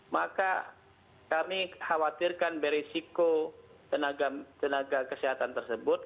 maka kami khawatirkan beresiko tenaga kesehatan tersebut